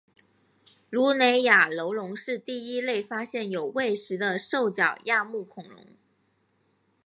卢雷亚楼龙是第一类发现有胃石的兽脚亚目恐龙。